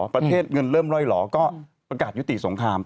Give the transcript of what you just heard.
ประเทศเงินเริ่มล่อยหล่อก็ประกาศยุติสงคราม